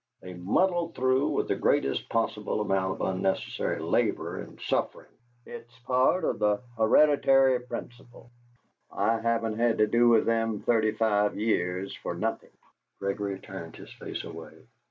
They muddle through with the greatest possible amount of unnecessary labour and suffering! It's part of the hereditary principle. I haven't had to do with them thirty five years for nothing!" Gregory turned his face away.